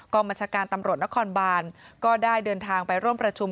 บัญชาการตำรวจนครบานก็ได้เดินทางไปร่วมประชุม